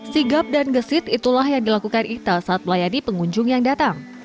sigap dan gesit itulah yang dilakukan ita saat melayani pengunjung yang datang